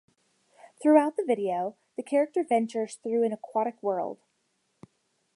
Throughout the video the character ventures through an aquatic world.